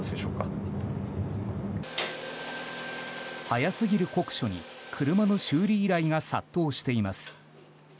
早すぎる酷暑に車の修理依頼が殺到しています。